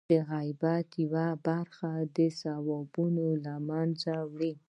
د غیبت یوه خبره ثوابونه له منځه وړي.